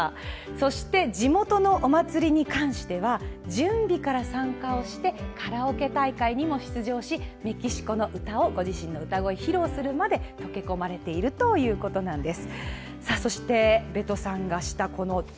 そして、地元のお祭りに関しては準備から参加をしてカラオケ大会にも出場し、メキシコの歌、ご自身の歌声を披露するまで溶け込まれているということなんです。